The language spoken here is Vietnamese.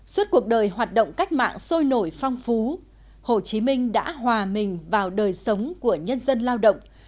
suốt cuộc đời hoạt động cách mạng sôi nổi phong phú hồ chí minh đã hòa mình vào đời sống của nhân dân lao động